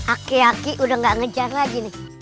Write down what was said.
aki aki udah gak ngejar lagi nih